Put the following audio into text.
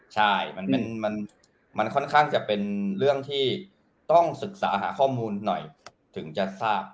ใช่มันค่อนข้างจะเป็นเรื่องที่ต้องศึกษาหาข้อมูลหน่อยถึงจะทราบ